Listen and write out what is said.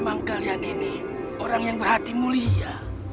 memang kalian ini orang yang berhati mulia